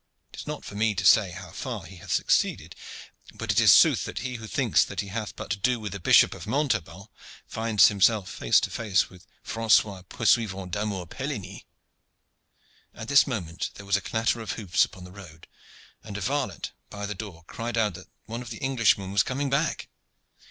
It is not for me to say how far he hath succeeded, but it is sooth that he who thinks that he hath but to do with the Bishop of Montaubon, finds himself face to face with Francois Poursuivant d'Amour Pelligny." At this moment there was a clatter of hoofs upon the road, and a varlet by the door cried out that one of the Englishmen was coming back.